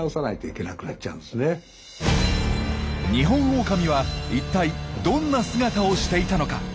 ニホンオオカミは一体どんな姿をしていたのか？